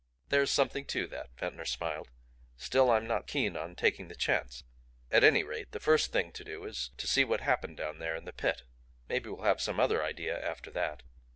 "There's something to that," Ventnor smiled. "Still I'm not keen on taking the chance. At any rate, the first thing to do is to see what happened down there in the Pit. Maybe we'll have some other idea after that."